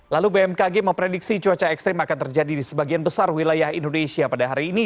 lalu bmkg memprediksi cuaca ekstrim akan terjadi di sebagian besar wilayah indonesia pada hari ini